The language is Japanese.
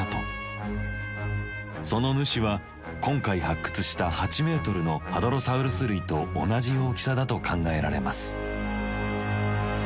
その主は今回発掘した８ｍのハドロサウルス類と同じ大きさだと考えられます。